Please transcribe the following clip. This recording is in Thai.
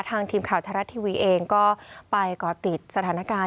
ทีมข่าวไทยรัฐทีวีเองก็ไปก่อติดสถานการณ์